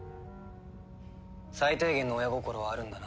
最低限の親心はあるんだな。